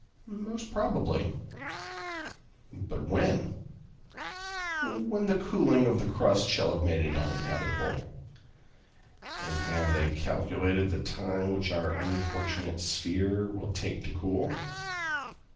"Most probably." "But when?" "When the cooling of its crust shall have made it uninhabitable." "And have they calculated the time which our unfortunate sphere will take to cool?"